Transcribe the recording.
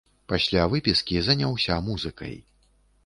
Пасля выпіскі заняўся музыкай.